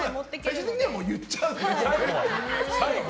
最終的には言っちゃうっていう。